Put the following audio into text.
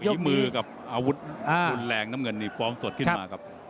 ฝีมือกับอาวุธรุนแรงน้ำเงินนี่ฟ้องสดขึ้นมาครับ